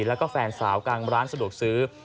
แล้วก็แฟนสาวกลางร้านสะดวกซื้อ